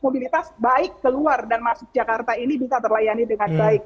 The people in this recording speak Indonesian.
mobilitas baik keluar dan masuk jakarta ini bisa terlayani dengan baik